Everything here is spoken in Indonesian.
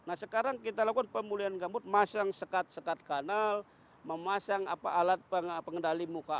nah sekarang kita lakukan pemulihan gambut masang sekat sekat kanal memasang alat pengendali muka